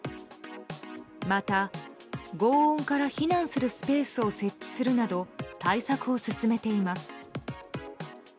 また轟音から避難するスペースを設置するなど対策を進めています。